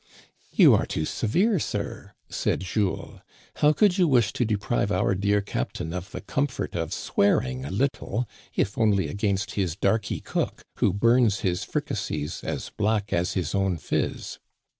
" You are too severe, sir," said Jules. How could you wish to deprive our dear captain of the comfort of swearing a little, if only against his darky cook, who bums his fricassees as black as his own phiz